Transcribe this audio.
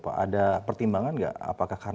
ada pertimbangan nggak